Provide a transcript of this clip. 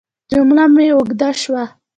جمله مې اوږده شوه.